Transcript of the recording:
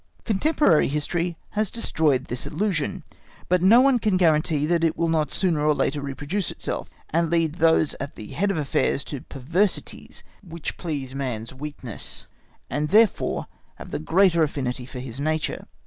Contemporary history has destroyed this illusion,(*) but no one can guarantee that it will not sooner or later reproduce itself, and lead those at the head of affairs to perversities which please man's weakness, and therefore have the greater affinity for his nature.